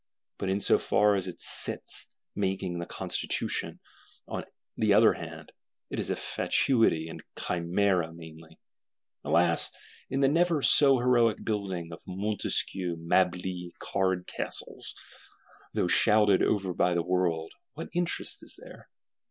But in so far as it sits making the Constitution, on the other hand, it is a fatuity and chimera mainly. Alas, in the never so heroic building of Montesquieu Mably card castles, though shouted over by the world, what interest is there?